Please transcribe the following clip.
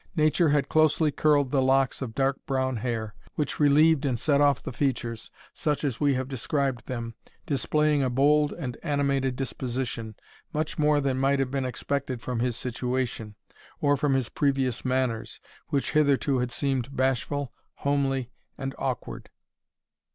Nature had closely curled the locks of dark brown hair, which relieved and set off the features, such as we have described them, displaying a bold and animated disposition, much more than might have been expected from his situation, or from his previous manners, which hitherto had seemed bashful, homely, and awkward.